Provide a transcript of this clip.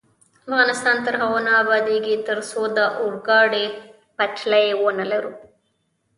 افغانستان تر هغو نه ابادیږي، ترڅو د اورګاډي پټلۍ ونلرو.